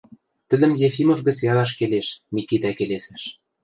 – Тӹдӹм Ефимов гӹц ядаш келеш, – Микитӓ келесӹш.